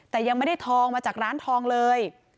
แต่ยังไม่ได้ทองมาจากร้านทองเลย